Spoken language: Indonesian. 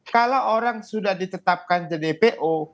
kalau orang sudah ditetapkan jadi po